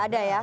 tidak ada ya